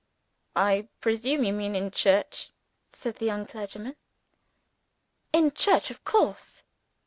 "I presume you mean in church?" said the young clergyman. "In church, of course."